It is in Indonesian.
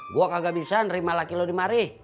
gue kagak bisa nerima laki lu di mari